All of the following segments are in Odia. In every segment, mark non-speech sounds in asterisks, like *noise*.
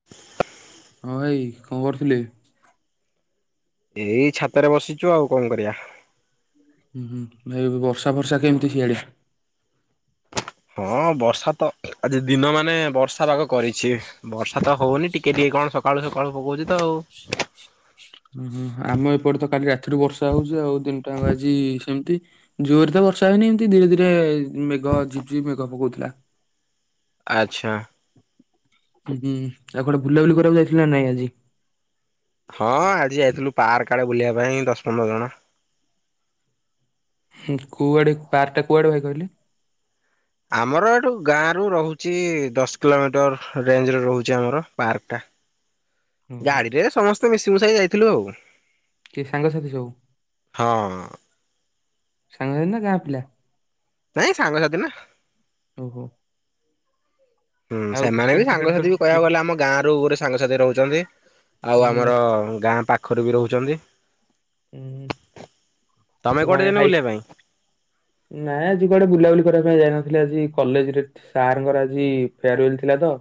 *inaudible* ହଁ ଭାଇ କଣ କରୁଥିଲେ? ଏଇ ଛାତରେ ବସିଛୁ ଆଉ କଣ କରିବା। ହୁଁ ଏବେ ବର୍ଷା ଫର୍ଷା କେମିତି ସିଆଡେ? ହଁ, ବର୍ଷା ତ ଆଜି ଦିନ, ମାନେ ବର୍ଷା ପାଗ କରିଛି, ବର୍ଷା ତ ହଉନି, ଟିକେ ଟିକେ କଣ ସକାଳୁ ସକାଳୁ ପକଉଛି ତ ଆଉ। ହଁ, ହଁ, ଆମ ଏପଟେ ତ କାଲି ରାତିରୁ ବର୍ଷା ହଉଛି, ଆଉ ଦିନଟା ଆଜି ସେମିତି। ଜୋରରେ ତ ବର୍ଷା ହଉନି, ଏମତି ଧୀରେ ଧୀରେ ମେଘ ଝିପଝିପି ମେଘ ପକଉଥିଲା। ଆଚ୍ଛା। ହୁଁ ଆଉ କଆଡେ ବୁଲାବୁଲି କରିବାକୁ ଯାଇଥିଲା ନା ନାଇଁ ଆଜି? ହଁ ଆଜି ଯାଇଥିଲୁ ପାର୍କ ଆଡେ ବୁଲିବା ପାଇଁ ଦଶ ପନ୍ଦର ଜଣ। କୁଆଡେ ପାରଟା କୁଆଡେ ଭାଇ କହିଲେ? ଆମର ଏଠୁ ଗାଁ ରୁ ରହୁଛି ଦଶ କିଲୋମିଟର ରେଞ୍ଜ ରେ ରହୁଛି ଆମର ପାର୍କ ଟା। ଓହୋ ଗାଡିରେ ସମସ୍ତେ ମିଶିମୁଶାଇ ଯାଇଥିଲୁ ଆଉ। କିଏ ସାଙ୍ଗସାଥି ସବୁ, ହଁ ସାଙ୍ଗସାଥି ନା ଗାଁ ପିଲା। ନାଇଁ ସାଙ୍ଗସାଥି ନା। ଓହୋ। ହୁଁ ଆଉ ସେମାନେ କ୍ରିକେଟ ବି ଫ୍ରିକେଟ ସାଙ୍ଗସାଥିୀ ବି ଖେଳୁ କହିବାକୁ ଗଲେ ଆମ ଗାଁ ରୁ ଗୋରେ ସାଙ୍ଗସାଥି ରହୁଛନ୍ତି। ଆଉ ହୁଁ ଆମର ଗାଁ ପାଖରୁ ବି ରହୁଛନ୍ତି। ହୁଁ। ତମେ ତ କୁଆଡେ କଣ ଏଇ ଯାଇନ ହାଇ ବୁଲିବା ପାଇଁ ନାଇଁ ଆଜି କୁଆଡେ ବୁଲାବୁଲି କରିବା ପାଇଁ ଯାଇନଥିଲି ଆଜି କଲେଜରେ ସାରଙ୍କର ଆଜି ଫେୟାରୱେଲ ଥିଲା ତ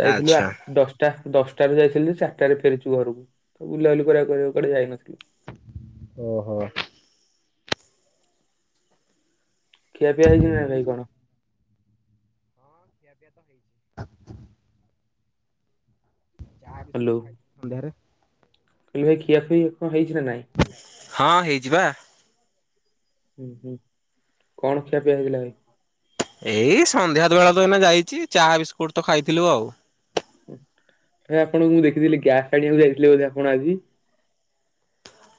ଯାଇଥିଲୁ ଆ ଆଚ୍ଛା ଦଶ ଟା ଦଶଟାରୁ ଯାଇଥିଲି ଯେ ଚାରିଟାରେ ଫେରିଛୁ ଘରକୁ ତ ବୁଲାବୁଲି କରିବା କରିବାହକୁ କୁଆ କଆଡେ ଯାଇନଥିଲୁ। ଓହୋ। ଖିଆ ପିଆ ହେଇଛି ନା ଭାଇ କଣ? ହେଛି ଚା ବିସ୍କୁଟ ହ୍ୟାଲୋ। ଖାଇଥିଲି ସନ୍ଧ୍ୟାରେ। କହିଲି ଖିଆ ପିଆ କଣ ହେଇଛି ନା ନାଇଁ? ହଁ ହେଇଚି ବା। ହୁଁ ହୁଁ କଣ ଖିଆ ପିଇଆ ହେଇଥିଲା ଭାଇ? ଏଇ ସନ୍ଧ୍ୟା ତ ବେଳତ ଏଇନା ଯାଇଛି ଚାହା ବିସ୍କୁଟୁ ତ ଖାଇଥିଲୁ ଆଉ। ହେ ଆପଣଙ୍କୁ ମୁଁ ଦେଖିଥିଲି ଗ୍ୟାସ୍ ଆଣିବାକୁ ଯାଇଥିଲେ ବା ଆପଣ ଆଜି।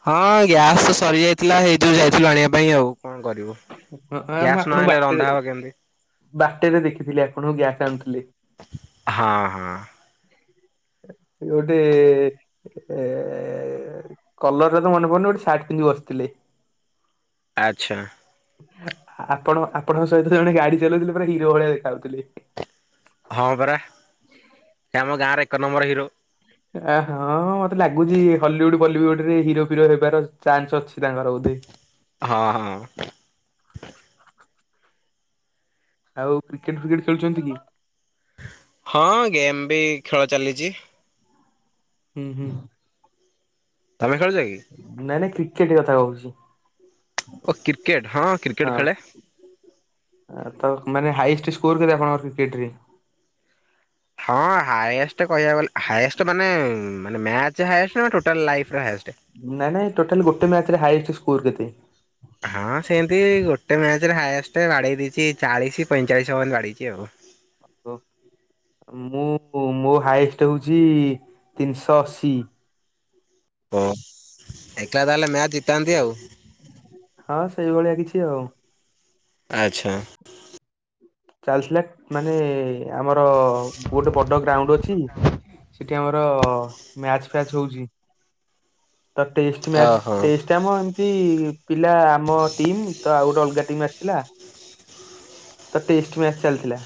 ହଁ ଗ୍ୟାସ ତ ସରି ଯାଇଥିଲା ହେଇ ଯୋଉ ଯାଇଥିଲୁ ଆଣିବା ପାଇଁ ଆଉ କଣ କରିବୁ। ହଁ ମୁଁ ଗ୍ୟାସ୍ ନ ଆପଣଙ୍କୁ ଆଇଁଲେ ବାଟରେ ରନ୍ଧା ହବ କେମିତି? ବାଟରେ ଦେଖିଥିଲି ଆପଣ ଗ୍ୟାସ୍ ଆଣୁଥିଲେ। ହଁ ହଁ। ଗୋଟେ ଏ କଲରରେ ତ ମନେ ପଡୁନି ଗୋଟେ ସାର୍ଟ ପିନ୍ଧି ବସିଥିଲେ। ଆଚ୍ଛା। ଆପଣ ଆପଣଙ୍କ ସହିତ ଜଣେ ଗାଡି ଚଲଉଥିଲେ ପୁରା ହିରୋ ଭଳିଆ ଦେଖା ଯାଉଥିଲେ। ହଁ ପରା ଆମ ଗାଁରେ ଏକ ନମ୍ବର ହିରୋ। ଆ ହଁ ମତେ ଲାଗୁଛି ହଲିଉଡ ବଲିଉଡ ରେ ହିରୋ ଫିରୋ ହେବାର ଚାନ୍ସ ଅଛି ତାଙ୍କର ବୋଧେ। ହଁ ହଁ। ଆଉ କ୍ରିକେଟ ଫ୍ରିକେଟ ଖେଳୁଛନ୍ତି କି? ହଁ ଗେମ୍ ବି ଖେଳ ଚାଲିଛି। ହୁଁ ହୁଁ। ତମେ ଖେଲୁଚ କି? ନାଇଁ ନାଇଁ କ୍ରିକେଟ କଥା କହୁଛି। ଓ କ୍ରିକେଟ ହଁ କ୍ରିକେଟ ହଁ ଖେଳେ। ତ ମାନେ ହାଇଷ୍ଟ ସ୍କୋର କେବେ ଆପଣଙ୍କ କ୍ରିକେଟ ରେ? ହଁ ହାଏଷ୍ଟ କହିବାକୁ ଗଲେ ହାଏଷ୍ଟ ମାନେ ମାନେ ମ୍ୟା ଚ ନା ଟୋଟାଲ ଲାଇଫି ର ହାଏଷ୍ଟ? ନାଇଁ ନାଇଁ ଟୋଟାଲି ଗୋଟେ ମ୍ୟାଚ ରେ ହାଷ୍ଟ ସ୍କୋର କେତେ? ହଁ ଶେନ୍ତି ଗୋଟେ ମ୍ୟାଚରେ ହାଏଷ୍ଟ ବାଡ଼େଇ ଦେଇଛି ଚାଳିଶ ପଇଁଚାଳିଶ ଓୱନ୍ ବାଡେଇଚି ଆଉ। ମୁଁ ମୋ ହାଇଷ୍ଟ ହଉଛି ତିନିଶହ ଅଶି। ହଁ ଏକଲା ତାହେଲେ ମ୍ୟାଚ ଜିତାନ୍ତି ଆଉ। ହଁ ସେଇଭଳିଆ କିଛି ଆଉ। ଆଚ୍ଛା। ଚାଲିଥିଲା ମାନେ ଆମର ଗୋଟେ ବଡ ଗ୍ରାଉଣ୍ଡ ଅଛି। ସେଠି ଆମର ମ୍ୟାଚ ଫ୍ୟାଚ ହଉଛି ତ ଟେଷ୍ଟ ମ୍ୟାଚ ଓହୋ ଟେ ସେଥି ଆମ ଏମିତି ପିଲା ଆମ ଟିମ୍ ତ ଆଉ ଗୋଟେ ଅଲଗା ଟିମ୍ ଆସିଥିଲା। ତ ଟିଷ୍ଟ ମ୍ୟାଚ୍ ଚାଲିଥିଲା।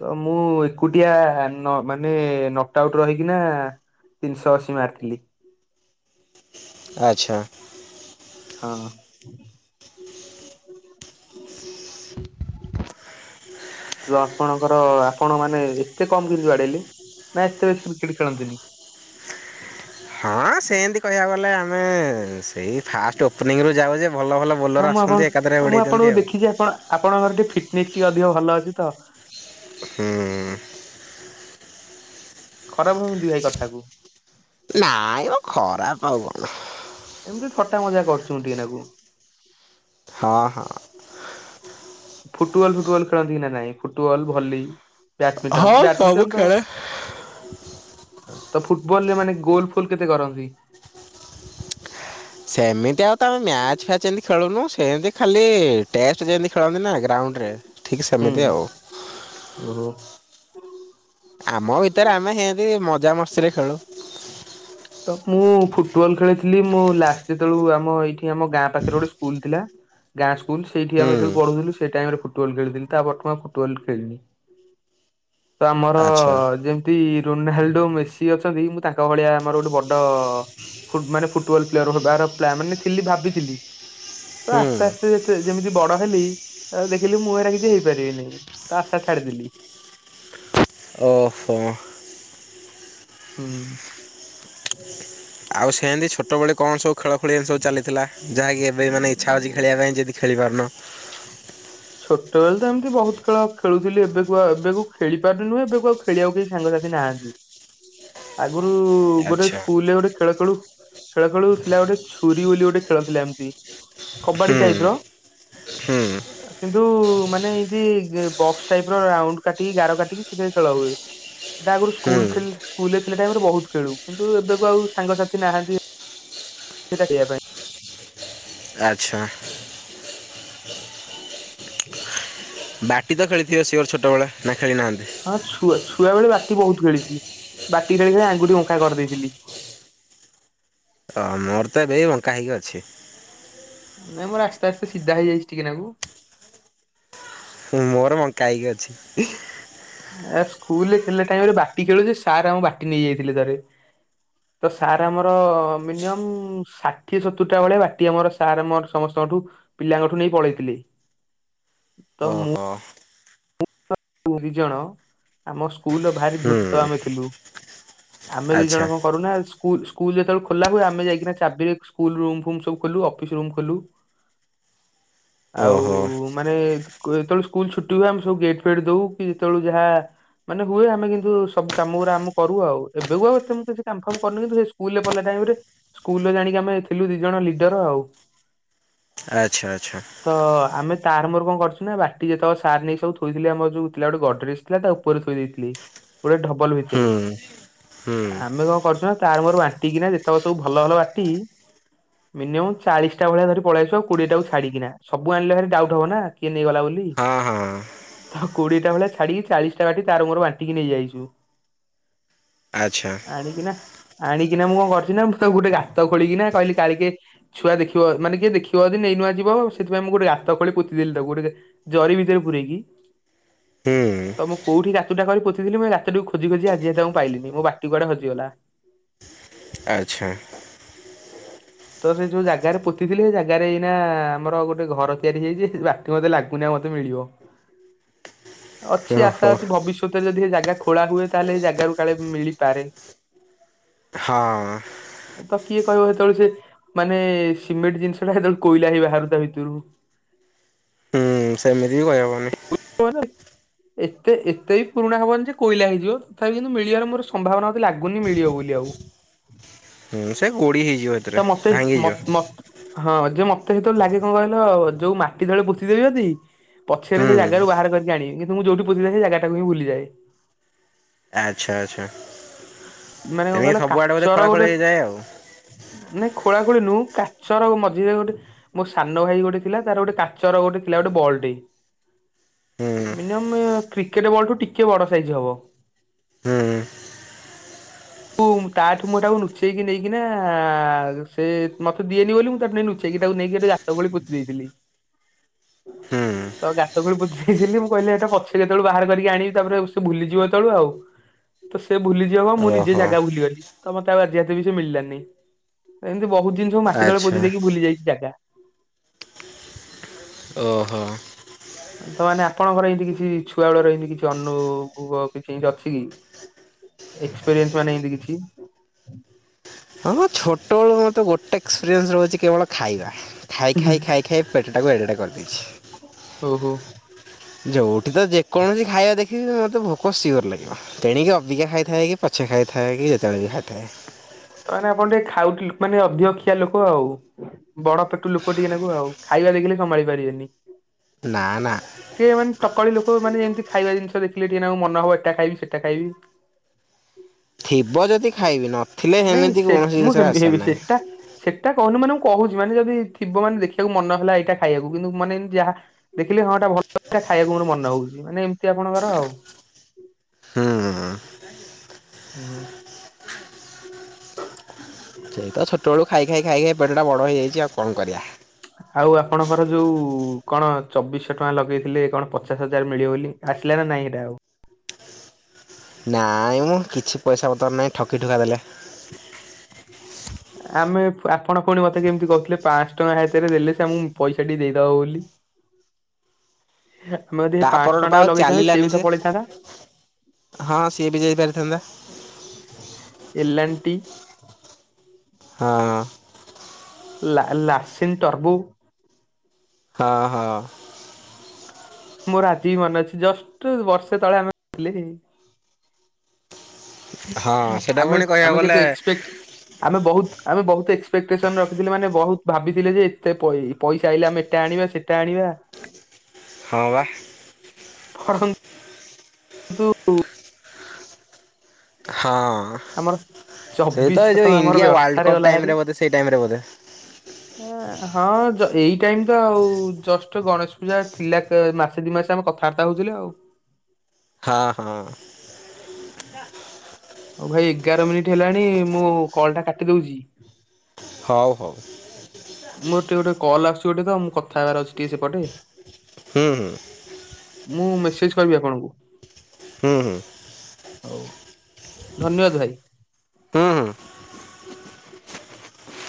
ତ ମୁଁ ଏକୁଟିଆ ନ ମାନେ ନାଟ ଆଉଟ୍ ରହିକିନା ତିନିଶହ ଅଶୀ ମାରିଥିଲି। ଆଚ୍ଛା। ହଁ। ତ ଆପଣଙ୍କର ଆପଣ ମାନେ ଏତେ କମ କିନ୍ତି ବାଡେଇଲେ? ନା ଏତେ ବେଶ କ୍ରିକେଟ ଖେଳନ୍ତିନି। ହଁ ସେମିତି କହିବାକୁ ଗଲେ ଆମେ ସେଇ ଫାଷ୍ଟ ଓପନିଂ ରୁ ଯାଉ ଯେ ଭଲ ଭଲ ହଁ ବୋଲର ମୁଁ ଆପଣ ଆସନ୍ତି ଏକାଧରେ ମୁଁ ଓଡେଇ ଆପଣଙ୍କୁ ଦନ୍ତି ଆଉ। ଦେଖିଛି ଆପଣ ଆପଣଙ୍କର ଟିକେ ଫିଟନେସ୍ ଟିକେ ଅଧିକ ଭଲ ଅଛି ତ ହୁଁ। ଖରାପ ଭାବୁଥିଲେ ଭାଇ କଥା କୁ ନାଇଁ ମ ଖରାପ ଆଉ କଣ? ଏମିତି ଥଟା ମଜା କରୁଚି ମୁ ଟିକିଏନାକୁ। ହଁ ହଁ। ଫୁଟବଲ୍ ଫୁଟବଲ୍ ଖେଳନ୍ତି କି ନା ନାଇଁ ଫୁଟବଲ ଭଲି ହଁ ବ୍ୟାଡମିଣ୍ଟନ ସବୁ ବ୍ୟାଡମିଣ୍ଟନ ତ ଖେଳେ। ତ ଫୁଟବଲ ରେ ମାନେ ଗୋଲ ଫୋଲ କେତେ କରନ୍ତି? ସେମିତି ଆଉ ତମେ ମ୍ୟାଚ ଫ୍ୟାଚ ଏମିତି ଖେଳନୁ ସେନ୍ତି ଖାଲି ଟେଷ୍ଟ ଯେମିତି ଖେଳନ୍ତି ନା ଗ୍ରାଉଣ୍ଡରେ ଠିକ୍ ହୁଁ ସେମିତି ଆଉ। ଓହୋ। ଆମ ଭିତରେ ଆମେ ସେତି ମଜା ମସ୍ତିରେ ଖେଳୁ। ତ ମୁଁ ଫୁଟବଲ ଖେଳିଥିଲି ମୁଁ ଲାଷ୍ଟ ଯେତେବେଳୁ ଆମ ଏଇଠି ଆମ ଗାଁ ପାଖରେ ଗୋଟେ ସ୍କୁଲ ଥିଲା ଗାଁ ସ୍କୁଲ ସେଇଠି ଆମେ ହୁଁ ଯେତେଳେ ପଢୁ ଥିଲୁ ସେଇ ଟାଇମ ଫୁଟବଲ ଖେଳଥିଲି ତାପର ଠୁ ଆଉ ଫୁଟବଲ ଖେଳିନି। ତ ଆମର ଆଚ୍ଛା ଯେମିତି ରୋନାଲଡୋ ମେସି ଅଛନ୍ତି ମୁଁ ତାଙ୍କ ଭଳିଆ ଆମର ଗୋଟେ ବଡ ଫୁଟ୍ ମାନେ ଫୁଟବଲ ପ୍ଲେୟରାର ଥିବାର ମାନେ ଥିଲି ଭାବିଥିଲି। ତ ହୁଁ ଆସ୍ତେ ଆସ୍ତେ ଯେ ଯେମିତି ବଡ ହେଲି ତାପରେ ଦେଖିଲି ମୁଁ ଏରା କିଛି ହେଇପାରିବି ନାହିଁ ତ ଆଶା ଛାଡିଦେଲି। ଓଫହ୍। ହୁଁ। ଆଉ ସେନ୍ତି ଛୋଟବେଳେ କଣ ସବୁ ଖେଳ ଖଳି ଏମି ସବୁ ଚାଲିଥିଲା ଯାହାକି ଏବେ ମାନ ଇଛା ଅଛି ଖେଳ ପାଇଁ ଯଦି ଖେଳିପାରୁନ। ଛୋଟବେଳେ ତ ଏମିତି ବହୁତ ଖେଳ ଖେଳୁଥିଲି ଏବେକୁ ଆଉ ଏବେକୁ ଖେଳିପାରୁ ନି ନୁହେଁ ଏବେ ଆଉ ଖେଳକୁ କେହି ସାଙ୍ଗସାଥି ନାହାନ୍ତି। ଆଗରୁ ଗୋଟେ ଆଚ୍ଛା ସ୍କୁଲରେ ଗୋଟେ ଖେଳ ଖେଳୁ ଖେଳ ଖେଳ ଥିଲା ଗୋଟେ ଛୁରୀ ବୋଲି ଗୋଟେ ଖେଳ ଥିଲା ଏମିତି କବାଡି ହୁଁ ଟାଇପ ର ହୁଁ। କିନ୍ତୁ ମାନେ ଇନ୍ତୀ ବକ୍ସ ଟାଇପ ର ରାଉଣ୍ଡ କାଟିକି ଗାର କାଟିକି ସେଥିରେ ଖେଳ ହୁଏ। ତା ଆଗରୁ ସ୍କୁଲ ହୁଁ ଖେଲ୍ ସ୍କୁଲ ଥିଲା ଟାଇମ ରେ ବହୁତ ଖେଳୁ କିନ୍ତୁ ଏବେ କୁ ଆଉ ସାଙ୍ଗସାଥି ନାହାନ୍ତି। ସେଟାହିବା ପାଇଁ ଆଚ୍ଛା। ହ। ବାଟି ତ ଖେଳିଥିବେ ସିଓର ଛୋଟବେଳେ ନା ଖେଳି ନାହାନ୍ତି? ହଁ ଛୁଆ ଛୁଆବେଳେ ବାଟି ବହୁତ ଖେଳିଥିଲି ବାଟି ଖେଳି ଖେଲି ଆଙ୍ଗୁଠ ବଙ୍କା କରିଦେଇଥିଲି। ଅ ମୋର ତ ଏବେ ବଙ୍କା ହେଇକି ଅଛି। ନାଇଁ ମୋର ଆସ୍ତେ ଆସ୍ତେ ସିଧା ହେଇଯାଇଛି ଟିକେନାକୁ। ମୋର ବଙ୍କା ହୋଇକି ଅଛି। ସ୍କୁଲରେ ଥିଲା ଟାଇମ୍ ରେ ବାଟି ଖେଳୁ ଯେ ସାର୍ ଆମର ବାଟି ନେଇ ଯାଇଥିଲେ ଥରେ। ତ ସାର୍ ଆମର ମିନିମମ୍ ଷାଠିଏ ସତୁୁରଟା ବେଳେ ବାଟି ଆମର ସାର୍ ଆମର ସମସ୍ତଙ୍କଠୁ ପିଲାଙ୍କଠୁ ନେଇ ପଳେଇଥିଲେ। ତ ମୁଁ ଓହୋ ମୁଁ ଦି ଜଣ ଆମ ସ୍କୁଲ ର ଭାରି ଧୃତ ହୁଁ ଆମେ ଥିଲୁ। ଆମେ ଦି ଆଚ୍ଛା ଜଣ କଣ କରୁନା ସ୍ ସ୍କୁଲ ଯେତେବେଳେ ଖୋଲା ହୁଏ ଆମେ ଯାଇକନା ଚାବିରେ ସ୍କୁଲ୍ ରୁମ୍ ଫୁମ୍ ଖୋଲୁ ଅଫିସ୍ ରୁମ୍ ଖୋଲୁ। ଆଉ ଓହୋ ମାନେ ଯେତେବେଳେ ସ୍କୁଲ ଛୁଟି ହୁଏ ଆମେ ସବୁ ଗେଟ ଫେଡି ଦଉ କି ଯେତେବେଳଳେ ଯାହା ମାନେ ହୁଏ ଆମେ କିନ୍ତୁ ସବୁ କାମ ଗୁରା ଆମେ କରୁ ଆଉ ଏବେ କୁ ଆଉ ମୁଁ କିଛି କନଫର୍ମ କରନି କିନ୍ତୁ ସ୍କୁଲ ପଢିଲା ଟାଇମ୍ ରେ ସ୍କୁଲ ଜାଣିକି ଆମେ ଥିଲୁ ଦି ଜଣ ଲିଡର ଆଉ। ଆଚ୍ଛା ଆଚ୍ଛା! ତ ଆମେ ତାର ମୋର କଣ କରଛୁ ନା ବାଟି ଯେତେବେଳେ ସାର ନେଇ ଥେ ଥୋଇଥିଲି ଆମର ଯୋଉ ଥିଲା ଗୋଟେ ଗଡରେଜ ଥିଲା ତା ଉପରେ ଥୋଇ ଦେଇେଇଥିଲି ଗୋଟେ ଡବଲ ହୁଁ ଭିତରେ। ହୁଁ ଆମେ କଣ କରିଛୁ ନା ତାର ମୋର ବାଣ୍ଟିକି ଯେତେବେଳେ ସବୁ ଭଲ ଭଲ ବାଟି ମିନିମମ୍ ଚାଳିଶଟା ଭଳିଆ ଧରି ପଳେଇ ଆଉଛୁ କୋଡିଏ ଟାକୁ ଛାଡିକିନା ସବୁ ଆଣିଲେ ଭାରି ଡାଉଟ ହବ ନା କିଏ ନେଇଗଲା ବୋଲି। ହଁ ହଁ ଆଉ କୋଡିଟା ଭଳିଆ ଛାଡିକି ଚାଳିଶ ବାଟି ତାର ମେର ବାଣ୍ଟିକି ନେଇ ଯାଇଛୁ। ଆଚ୍ଛା! ଆଣିକିନା ଆଣିକିନା ମୁଁ କଣ କରିଛି ନା ମୁଁ ତ ଗୋଟେ ଗାତ ଖୋଳିକିନା କହିଲି କି କାଳେ କିଏ ଛୁଆ ଦେଖିବ ମାନେ କିଏ ଦେଖିବ ଯଦି ନେଇ ନୂଆ ଯିବ ସେଥିପାଇଁ ମୁଁ ଗୋଟେ ଗାତ ଖୋଳି ପୋତିଦେଲି ତାକୁ ଜରି ଭିତରେ ପୁରେଇ କିି? ହୁଁ ତ ମୁଁ କଉଠି ଗାତଟା କରି ପୋତିଥିଲି ମୁଁ ରାତି ଖୋଜି ଖୋଜି ଆଜି ତାଙ୍କୁ ପାଇଲିି ମୋ ବାଟି କୁଆଡେ ହଜିଗଲା। ଆଚ୍ଛା। ତ ସେ ଯୋଉ ଜାଗାରେ ପୋତିଥିଲେ ସେ ଜାଗାରେ ଏଇନା ଆମର ଗୋଟେ ଘର ତିଆରି ହେଇଛି ବା ମତେ ଲାଗୁନି ମତେ ମିଳିବ ଅଛି ଆଶା ଓହୋ ଅଛି ଭବିଷ୍ୟତ ଯଦି ଜାଗା ଖୋଳା ହୁଏ ତାହେଲେ ସେଇ ଜାଗାରେ କାଳେ ମିଳିପାରେ। ହଁ। ତ କିଏ କହିବ ସେତେବେଳେ ସେ ମାନେ ସିମେଣ୍ଟ ଜିନିଷଟା ସେତେବେଳେ କୋଇଲା ହେଇ ବାହାରୁ ତା ଭିତରୁ ହୁଁ ସେମିତି ବି କହି ହେବନି। କ *unintelligible* ଏତେ ଏତେ ବି ପୁରୁଣା ହବନି ଯେ କୋଇଲା ହେଇଯିବ ତଥାପି କିନ୍ତୁ ମିଳିବାର ମୋର ସମ୍ଭାବନା ଲାଗୁନି ମିଳିବ ବୋଲି ଆଉ ହୁଁ ସେ ଗୋଡି ହେଇଯିବ। ଏଥିରେ ତା ମତେ ମ ଭାଙ୍ଗିଯିବ ମତ ହଁ ଯେ ମତେ ସେତେବେଳେ ଲାଗେ କଣ କହିଲ ଯୋଉ ମାଟି ତଳେ ପୋତି ଦେବି ପଛରେ ସେ ହୁଁ ଜାଗାରୁ ବାହାର କରିକି ଆଣିବି କିନ୍ତୁ ମୁଁ ଯଉଠି ପୋତେ ସେ ଜାଗାକୁ ଭୁଲିଯାଏ। ଆଚ୍ଛା ଆଚ୍ଛା ମାନେ କଣ ତମକ କହିଲ ସବୁଆଡ଼େ ବୋଧେ କାଚର ଗୋଟେ ଖୋଳାଖୋଳି ହେଇଯାଏ ଆଉ। ନାଇଁ ଖୋଳାଖୋଳି ନୁହେଁ କାଚର ମଝିରେ ଗୋଟେ ମୋ ସାନ ଭାଇ ଗୋଟେ ଥିଲା ତାର ଗୋଟେ କାଚର ଗୋଟେ ଥିଲା ଗୋଟେ ବଲ୍ ଟେ ହୁଁ ମିନିମମ୍ କ୍ରିକେଟ୍ ବଲ୍ ଠୁ ଟିକେଏ ବଡ଼ ସାଇଜ୍ ହବ। ହୁଁ ତାଠୁ ମୁଁ ଟାକୁ ନୁଚେଇକି ନେଇକିନା ସେ ମତେ ଦିଏନି ବୋଲି ମୁଁ ତାଠୁ ନେଇ ନୁଚେ ନେକି ତାକୁ ନେଇକି ଗାତ ଖୋଳି ପୋତି ଦେଇଥିଲି। ହୁଁ ତ ଗାତ ଖୋଳି ପୋତିଦେଇଥିଲି ମୁଁ କହିଲି ଏଇଟା ପଛରେ କେତେବେଳୁ ବାହାର କରିକି ଆଣି ତାପରେ ସେ ଭୁଲିଯିବ ଆଉ। ତ ସେ ବୁଲିଯିବ କଅଁ ମୁଁ ନି ଯେ ଓହୋ ଜାଗା ଭୁଲିଗଲି ତ ମତେ ଆଉ ଆଜି ଜାଗା ବି ସେ ମିଳିଲାନି ଏମିତି ବହୁତ ଜିନିଷକୁ ମାଟି ତଳେ ଆଚ୍ଛା ପୋତି ଦେଇକି ଭୁଲି ଯାଇଛି ଜାଗା। ଓହୋ। ତ ମାନେ ଆପଣଙ୍କର ଏମତି କିଛି ଛୁଆ ବେଳର ଏମିତି କିଛି ଅନୁଭୋଗ କିଛି ଏମତି ଅଛି କି? ଏକ୍ସପିରିଏନ୍ସ ଏମତି କିଛି ହଁ ହଁ ଛୋଟବେଳୁ ମୋତେ ଗୋଟେ ଏକ୍ସପିରିଏନ୍ସ ରହୁଛି କେବଳ ଖାଇବା ଖାଇ ଖାଇ ଖାଇ ଖାଇ ପେଟଟାକୁ ଏଡ଼ଟା କରିଦେଇଛି। ଓ ହୋ। ଯୋଉଠି ତ ଯେକୌଣସି ଖାଇବା ଦେଖିବି ମୋତେ ଭୋକ ସିଅର ଲାଗିବ। ତେଣିକି ଅବିକା ଖାଇଥାଏ କି ପଛେ ଖାଇଥାଏ କି ଯେତେବେଳେ ବି ଖାଇଥାଏ। ମାନେ ଆପଣ ଟିକେ ଖାଉଟି ମାନେ ଅଧିକ ଖିଆ ଲୋକ ଆଉ। ବଡ ପେଟୁ ଲୋକ ଟିକେ ନାକୁ ଆଉ ଖାଇବା ଦେଖିଲେ ସମ୍ଭାଳି ପାରିବେନି। ନା ନା। ଟିକେ ମାନେ ତକଳି ଲୋକା ମାନେ ଯେମିତି ଖାଇବା ଜିନିଷ ଦେଖିଲେ ଟିକେନକ ମନ ହବ ଏଇଟା ଖାଇବି ସେଇଟା ଖାଇବି। ଥିବ ଯଦି ଖାଇବି ନଥିଲେ ହେମିତି କୌଣସି ଜିନିଷରେ ଆଶା ନାହିଁ। ସେଇଟା କହୁନି ମାନେ ମୁଁ କହୁଛି ମାନେ ଯଦି ଥିବ ମାନେ ଦେଖିବାକୁ ମନ ହେଲା ଏଇଟା ଖାଇବାକୁ କିନ୍ତୁ ମାନେ ଯାହା ଦେଖିଲି ହଁ ଏଇଟା ଭଲ ଖାଇବାକୁ ମୋର ମନ ହଉଛି ମାନେ ଏମିତି ଆପଣଙ୍କର ଆଉ। ହୁଁ ହୁଁ। ସେଇ ତ ଛୋଟବେଳୁ ଖାଇ ଖାଇ ଖାଇ ଖାଇ ପେଟଟା ବଡ ହେଇଯାଇଛି ଆଉ କଣ କରିଆ। ଆଉ ଆପଣଙ୍କର ଯୋଉ କଣ ଚବିଶଶହ ଟଙ୍କା ଲଗେଇଥିଲେ କଣ ପଚାଶ ହଜାର ମିଳିବ ବୋଲି? ଆସିଲ ନା ନାଇଁ ହେଇଟା ଆଉ। ନାଇଁ ମ କିଛି ପଇସା ପତ୍ର ନାହିଁ ଠକି ଠୁକା ଦେଲେ। *unintelligible* ଆମେ ଆପଣ ପୁଣି ମତେ କେମିତି କହୁଥିଲେ ପାଞ୍ଚଶହ ଟଙ୍କା ହାତରେ ଦେଲେ ସେ ଆମକୁ ପଇସା ଟିକେ ଦେଇଦବ ବୋଲି। ଆମେ ଯଦି ହେଇ ତା ପାଞ୍ଚଶହ ପରଠୁ ଟଙ୍କ ପା ଟା ଆଉ ବି ଲଗେଇଥାନ୍ତେ ସିଏ ଚାଲିଲାନି ବି ତ ସେ। ପଳେଇଥାନ୍ତା। ହଁ ସିଏ ବି ଯାଇପାରିଥାନ୍ତା। ଏଲନାଣ୍ଟି। ହଁ। ଲା ଲାସିନ ତର୍ବୁ ହଁ ହଁ। ମୋର ଆଜି ବି ମନେ ଅଛି ଜଷ୍ଟ ବର୍ଷେ ତଳେ ଆମେ ଥିଲେ। ହଁ ସେଇଟା ଆମେ ପୁଣି କହିବାକୁ ଆମେ ଗଲେ କେତେ ଏକ୍ସପେକ୍ଟ ଆମେ ବହୁତ ଆମେ ବହୁତ ଏକ୍ସପେକ୍ଟେସନ ରଖିଥିଲେ ମାନେ ବହୁତ ଭାବିଥିଲେ ଯେ ଏତେ ପଇ ପଇସା ଆଇଲା ଆମେ ଏଇଟା ଆଣିବା ସେଇଟା ଆଣିବା। ହଁ ବା। ବରଂ। କିନ୍ତୁ *unintelligible* ହଁ ଆମର ସେଇ ତ ଚବିଶଶହ ଏ ଜୋଉ ଟଙ୍କା ଆମର ଇଣ୍ଡିଆ ୱାର୍ଲଡ ବ୍ୟର୍ଥରେ କପ୍ ଗଲା ହାରି। ଟାଇମରେ ବୋଧେ ସେଇ ଟାଇମ ରେ ବୋଧେ? *unintelligible* ହଁ ଯ ଏଇ ଟାଇମ୍ ତ ଆଉ ଜଷ୍ଟ ଗଣେଶ ପୂଜା ଥିଲା କେ ମାସେ ଦି ମାସେ ଆମେ କଥା ବାର୍ତ୍ତା ହଉଥିଲେ ଆଉ। ହା ହଁ। ହଉ ଭାଇ ଏଗାର ମିନିଟି ହେଲାଣି ମୁଁ କଲ ଟା କାଟି ଦଉଚି? ହଉ ହଉ। ମୋର ଟିକେ ଗୋଟେ କଲ ଆସୁଚି ଗୋଟେ ତ ମୁଁ କଥା ହେବାର ଅଛି ଟିକେ ସେପଟେ। ହୁଁ ହୁଁ। ମୁଁ ମେସେଜ କରିବି ଆପଣଙ୍କୁ। ହୁଁ ହୁଁ। ହଉ ଧନ୍ୟବାଦ ଭାଇ। ହୁଁ ହୁଁ।